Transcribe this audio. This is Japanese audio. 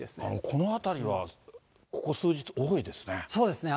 この辺りは、ここ数日、多いですね。